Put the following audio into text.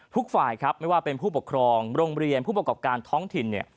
ทุกฝ่ายครับไม่ว่าเป็นผู้ปกครองโรงเรียนผู้ประกอบการท้องถิ่นเนี่ย